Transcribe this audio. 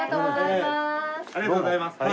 ありがとうございます。